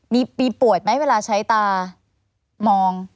มีปีปวดไหมเวลาใช้ตามอง